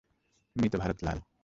মৃত ভারত লাল।